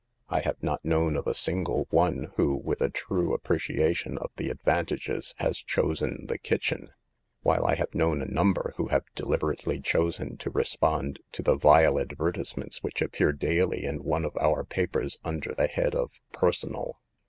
I have not known of a single one who, with a true appre ciation of the advantages, has chosen the kitchen, while I have known a number who have deliberately chosen to respond to the vile advertisements which appear daily in one of our papers under the head of ' Personal.'